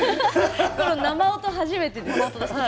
生音、初めてです。